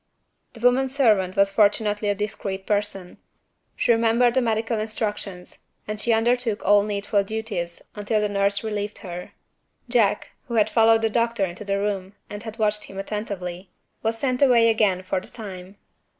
The woman servant was fortunately a discreet person. She remembered the medical instructions, and she undertook all needful duties, until the nurse relieved her. Jack (who had followed the doctor into the room, and had watched him attentively) was sent away again for the time.